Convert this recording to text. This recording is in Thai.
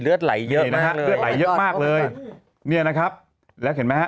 เลือดไหลเยอะนะฮะเลือดไหลเยอะมากเลยเนี่ยนะครับแล้วเห็นไหมฮะ